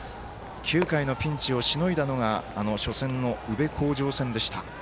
９回のピンチをしのいだのがあの初戦の宇部鴻城戦でした。